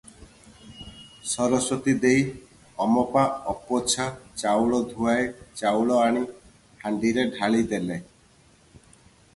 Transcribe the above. ସରସ୍ୱତୀ ଦେଈ ଅମପା ଅପୋଛା ଚାଉଳଧୂଆଏ ଚାଉଳ ଆଣି ହାଣ୍ଡିରେ ଢାଳିଦେଲେ ।